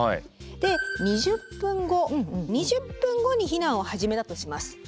で２０分後２０分後に避難を始めたとします。